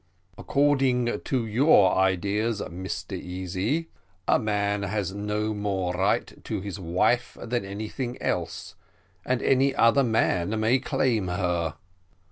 "According to your ideas, Mr Easy, a man has no more right to his wife than anything else, and any other man may claim her."